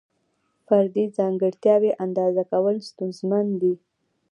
فردي ځانګړتیاوې اندازه کول ستونزمن دي.